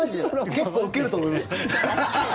結構受けると思います。